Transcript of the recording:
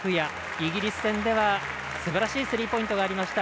イギリス戦ではすばらしいスリーポイントがありました。